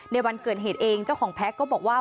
ในวันเกิดเหตุเองเจ้าของแพ็คก็บอกว่า